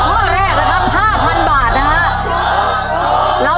ถูกข้อแรกละทั้ง๕๐๐๐บาทนะครับ